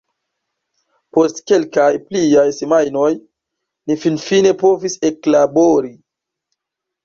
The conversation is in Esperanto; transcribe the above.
Post kelkaj pliaj semajnoj, ni finfine povis eklabori.